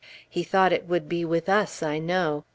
He thought it would be with us, I know!